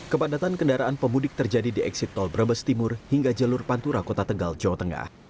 kepadatan kendaraan pemudik terjadi di eksit tol brebes timur hingga jalur pantura kota tegal jawa tengah